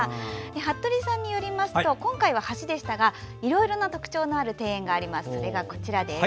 服部さんによりますと今回は橋でしたがいろいろな特徴がある庭園があります。